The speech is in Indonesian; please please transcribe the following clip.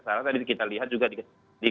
salah tadi kita lihat juga di